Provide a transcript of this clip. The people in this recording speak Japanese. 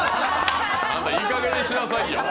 あんた、いいかげんにしなさいよ！